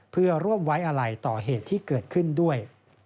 เพื่อร่วมไว้อะไรต่อเหตุที่เกิดขึ้นด้วย